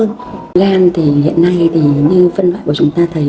uống thư gan thì hiện nay như phân loại của chúng ta thấy